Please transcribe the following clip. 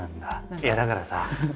いやだからさ